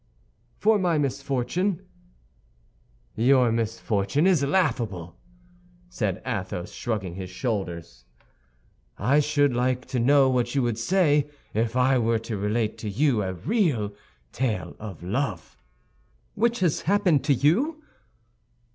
"For my misfortune." "Your misfortune is laughable," said Athos, shrugging his shoulders; "I should like to know what you would say if I were to relate to you a real tale of love!" "Which has happened to you?"